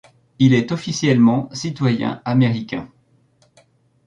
Il est officiellement citoyen américain.